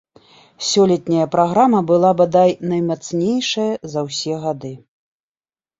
Сёлетняя праграма была, бадай, наймацнейшая за ўсе гады.